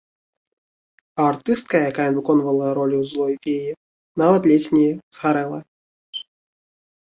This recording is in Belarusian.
А артыстка, якая выконвала ролю злой феі, нават ледзь не згарэла.